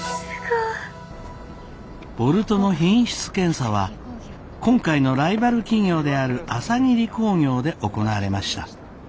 ボルトの品質検査は今回のライバル企業である朝霧工業で行われました。